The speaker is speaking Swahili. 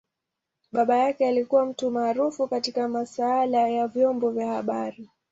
Baba yake alikua mtu maarufu katika masaala ya vyombo vya habari.